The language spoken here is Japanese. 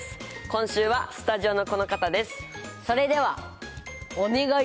今週はスタジオのこの方です。